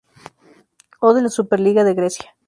O. de la Super Liga de Grecia.